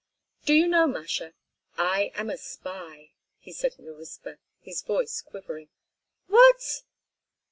"Do you know, Masha—I am a spy!" he said in a whisper, his voice quivering. "What?"